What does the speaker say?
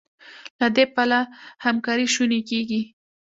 له دې پله همکاري شونې کېږي.